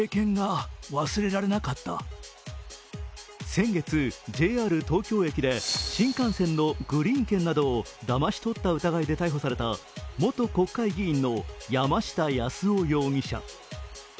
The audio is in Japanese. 先月、ＪＲ東京駅で新幹線のグリーン券などをだまし取った疑いで逮捕された元国会議員の山下八洲夫容疑者。